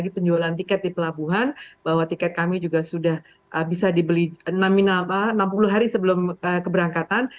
penjualan tiket di pelabuhan bahwa tiket kami juga sudah bisa dibeli enam puluh hari sebelum keberangkatan